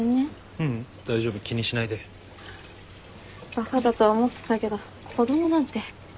バカだとは思ってたけど子供なんて。